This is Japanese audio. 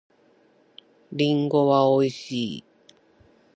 りんごは美味しい。